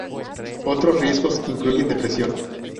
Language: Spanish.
Otros riesgos incluyen depresión.